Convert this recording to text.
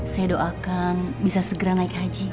saya doakan bisa segera naik haji